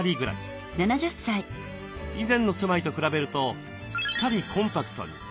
以前の住まいと比べるとすっかりコンパクトに。